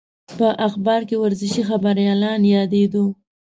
په اخبار کې ورزشي خبریالان یادېدو.